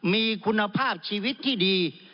มีคุณภาพชีวิตที่ดี